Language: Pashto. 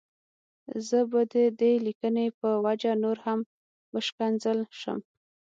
زه به د دې ليکنې په وجه نور هم وشکنځل شم.